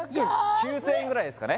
９０００円ぐらいですかね